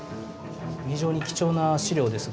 非常に貴重な資料です